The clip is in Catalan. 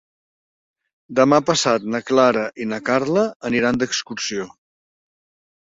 Demà passat na Clara i na Carla aniran d'excursió.